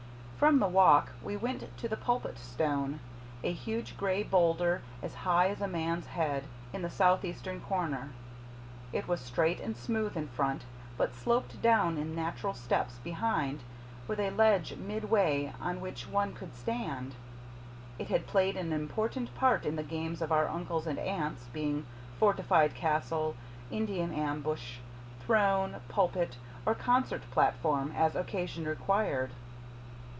From the Walk we went to the Pulpit Stone a huge gray boulder, as high as a man's head, in the southeastern corner. It was straight and smooth in front, but sloped down in natural steps behind, with a ledge midway on which one could stand. It had played an important part in the games of our uncles and aunts, being fortified castle, Indian ambush, throne, pulpit, or concert platform, as occasion required.